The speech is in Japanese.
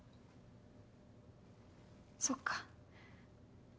そっか。